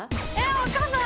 分かんない。